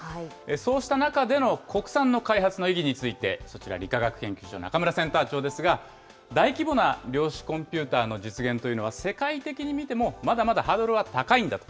そうした中での国産の開発の意義について、こちら、理化学研究所、中村センター長ですが、大規模な量子コンピューターの実現というのは、世界的に見てもまだまだハードルは高いんだと。